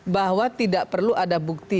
bahwa tidak perlu ada bukti